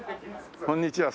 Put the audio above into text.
こんにちは。